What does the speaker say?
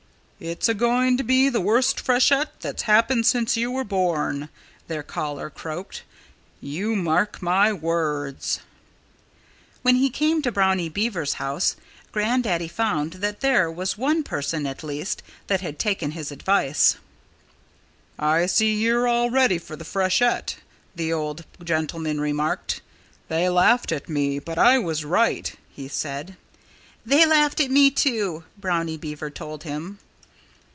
"It's a going to be the worst freshet that's happened since you were born," their caller croaked. "You mark my words!" When he came to Brownie Beaver's house Grandaddy found that there was one person, at least, that had taken his advice. "I see you're all ready for the freshet!" the old gentleman remarked. "They laughed at me; but I was right," he said. "They laughed at me, too," Brownie Beaver told him.